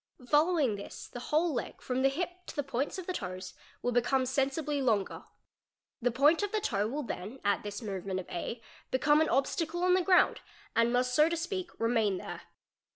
Following this the whole © leg, from the hip to the points of the toes, will become sensibly longer. The point of the toe will then at this movement of A become an obstacle © on the ground and must so to speak remain there.